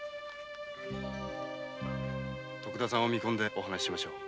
徳田さんを見込んでお話しましょう。